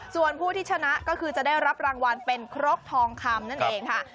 ส่วนผู้ที่ชนะก็คือจะได้รับรางวัลเป็นครกทองคำนั่นเองค่ะ